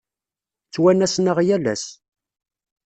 Ttwanasen-aɣ yal ass.